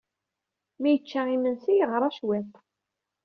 Mi yecca imensi, yeɣra cwiṭ.